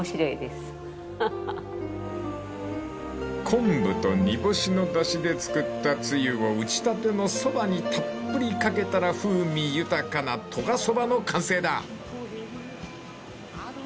［コンブと煮干しのだしで作ったつゆを打ち立てのそばにたっぷりかけたら風味豊かな利賀そばの完成だ］